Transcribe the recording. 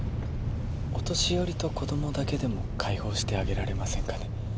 お年寄りと子供だけでも解放してあげられませんかね？